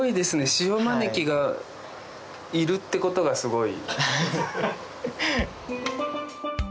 シオマネキがいるってことがすごい。